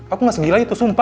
aku gak segila itu sumpah